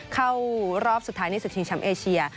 เข้ารอบสุดท้ายในศึกชิงแชมป์เอเชีย